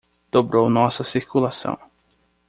Dobrou nossa circulação.